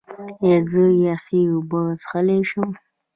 ایا زه یخې اوبه څښلی شم؟